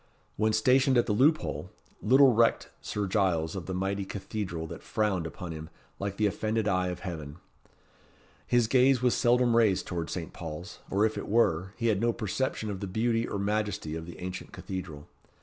When stationed at the loophole, little recked Sir Giles of the mighty cathedral that frowned upon him like the offended eye of heaven. His gaze was seldom raised towards Saint Paul's, or if it were, he had no perception of the beauty or majesty of the ancient cathedral.